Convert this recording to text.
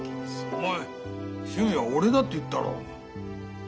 お前趣味は俺だって言ったろう。